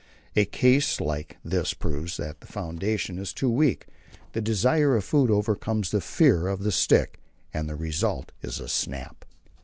A case like this proves that the foundation is too weak; the desire of food overcomes the fear of the stick, and the result is a snap.